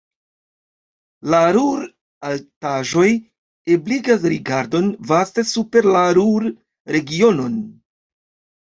La Ruhr-Altaĵoj ebligas rigardon vaste super la Ruhr-Regionon.